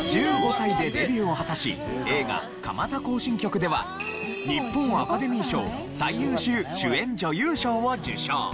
１５歳でデビューを果たし映画『蒲田行進曲』では日本アカデミー賞最優秀主演女優賞を受賞。